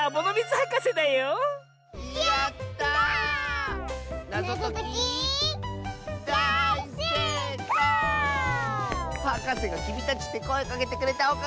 はかせが「きみたち」ってこえかけてくれたおかげだよ。